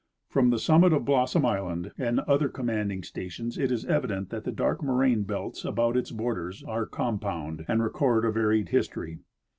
From the summit of Blossom island and other commanding stations it is evident that the dark moraine belts about its borders are compound and record a varied history.